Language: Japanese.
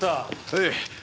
はい。